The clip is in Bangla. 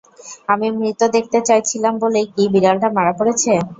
আমি মৃত দেখতে চাইছিলাম বলেই কি বিড়ালটা মারা পড়েছে!